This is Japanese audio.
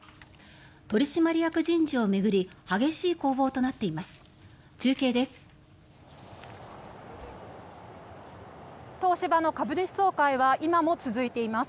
取締役人事を巡り激しい攻防となっています。